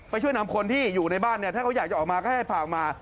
ช่วยนำคนที่อยู่ในบ้านเนี่ยถ้าเขาอยากจะออกมาก็ให้พาออกมา